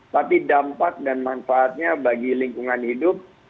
tapi dampak dan manfaatnya bagi lingkungan hidup